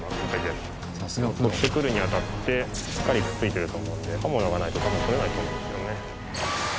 取ってくるにあたってしっかりくっついてると思うんで刃物がないと多分取れないと思うんですよね。